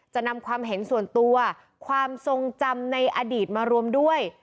จะนำความเห็นส่วนตัวความทรงจำในอดีตมารวมด้วย